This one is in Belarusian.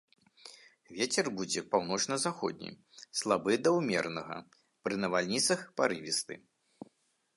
Вецер будзе паўночна-заходні, слабы да ўмеранага, пры навальніцах парывісты.